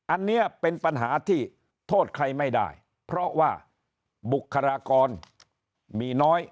อันนี้เป็นปัญหาที่โทษใครไม่ได้เพราะว่าบุคลากรมีน้อย